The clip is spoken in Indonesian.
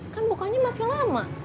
kan bukanya masih lama